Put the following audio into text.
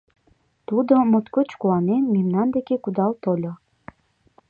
Тудо, моткоч куанен, мемнан деке кудал тольо.